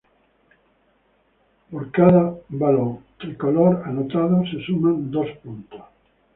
Por cada balón tricolor anotado, se suman dos puntos.